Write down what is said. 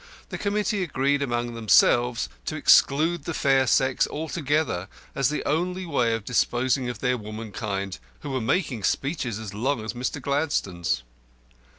The committee agreed among themselves to exclude the fair sex altogether as the only way of disposing of their womankind, who were making speeches as long as Mr. Gladstone's.